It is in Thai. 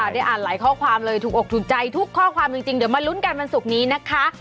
ได้อ่านหลายข้อความเลยถูกอกถูกใจทุกข้อความจริงเดี๋ยวมาลุ้นกันวันศุกร์นี้นะคะ